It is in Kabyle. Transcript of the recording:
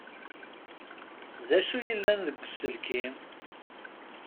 D acu yellan deg uelkim?